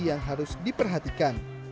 yang harus diperhatikan